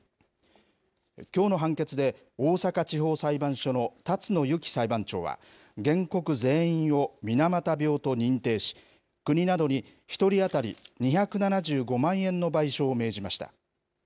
きょうの判決で、大阪地方裁判所の達野ゆき裁判長は、原告全員を水俣病と認定し、国などに１人当たり２７５万円の賠償を命じました。